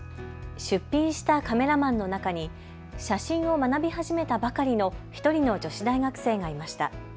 出品したカメラマンの中に写真を学び始めたばかりの１人の女子大学生がいました。